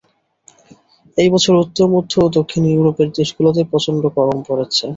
এই বছর উত্তর, মধ্য ও দক্ষিণ ইউরোপের দেশগুলোতে প্রচণ্ড গরম পড়েছে।